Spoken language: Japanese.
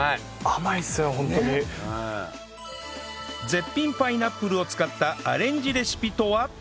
絶品パイナップルを使ったアレンジレシピとは？